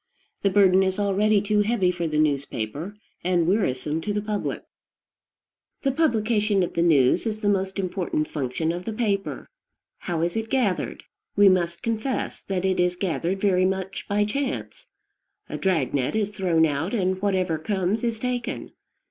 The burden is already too heavy for the newspaper, and wearisome to the public. The publication of the news is the most important function of the paper. How is it gathered? We must confess that it is gathered very much by chance. A drag net is thrown out, and whatever comes is taken.